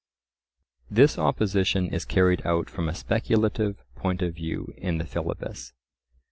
This opposition is carried out from a speculative point of view in the Philebus.